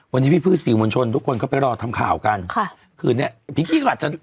วันที่พี่พืชศิลป์วัญชนทุกคนก็ไปรอทำข่าวกัน